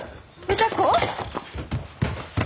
歌子